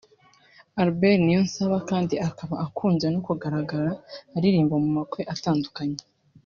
Albert Niyonsaba kandi akaba akunze no kugaragara aririmba mu makwe atandukanye